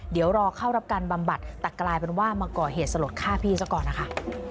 เดี๋ยวรอเข้ารับการบำบัดแต่กลายเป็นว่ามาก่อเหตุสลดฆ่าพี่ซะก่อนนะคะ